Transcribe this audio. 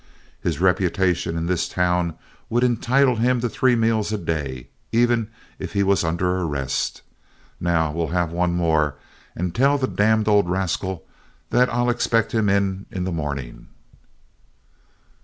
His reputation in this town would entitle him to three meals a day, even if he was under arrest. Now, we'll have one more, and tell the damned old rascal that I'll expect him in the morning.'"